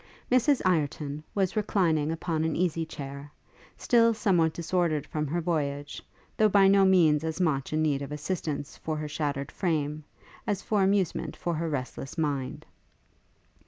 Mrs Ireton was reclining upon an easy chair, still somewhat disordered from her voyage, though by no means as much in need of assistance for her shattered frame, as of amusement for her restless mind.